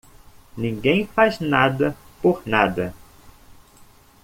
Ninguém faz nada por nada.